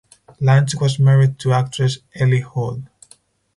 Lange was married to the actress Elli Hall.